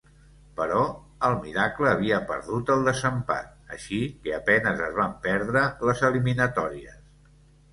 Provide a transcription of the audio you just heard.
Però, el Miracle havia perdut el desempat, així que a penes es van perdre les eliminatòries.